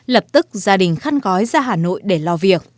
lập tức gia đình khăn gói ra hà nội để lo việc